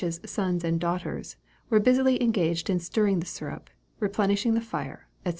's sons and daughters, were busily engaged in stirring the syrup, replenishing the fire, &c.